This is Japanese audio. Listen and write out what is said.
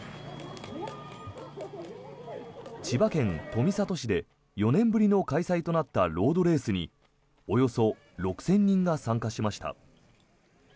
千葉県富里市で４年ぶりの開催となったロードレースにおよそ６０００人が参加しました。